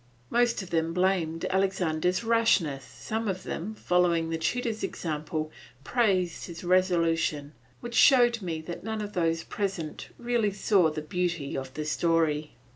Most of them blamed Alexander's rashness, some of them, following the tutor's example, praised his resolution, which showed me that none of those present really saw the beauty of the story.